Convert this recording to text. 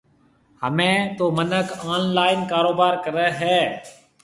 ھميَ تو منک آن لائن ڪاروبار ڪرَي ھيََََ